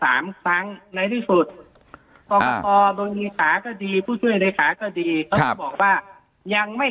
สามครั้งในที่สุดกรกฏอโดยมีสาก็ดีผู้ช่วยรายขาก็ดี